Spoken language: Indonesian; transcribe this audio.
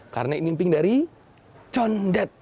karena ini emping dari condet